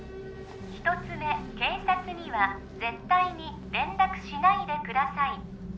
一つ目警察には絶対に連絡しないでください